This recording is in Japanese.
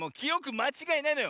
まちがいないのよ。